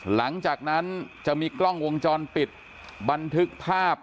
หลังจากนั้นจะมีกล้องวงจรปิดบันทึกภาพ